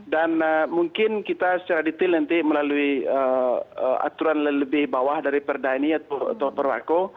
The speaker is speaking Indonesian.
dan mungkin kita secara detail nanti melalui aturan lebih bawah dari perda ini atau perwako